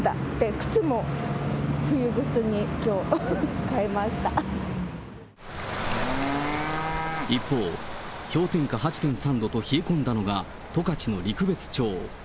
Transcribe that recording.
靴も冬靴に、一方、氷点下８．３度と冷え込んだのが、十勝の陸別町。